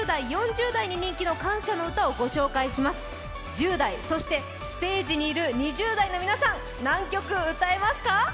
１０代、そしてステージにいる２０代の皆さん、何曲歌えますか？